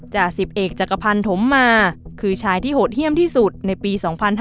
จาก๑๐เอกจักรพันธมมาคือชายที่โหดเยี่ยมที่สุดในปี๒๕๕๙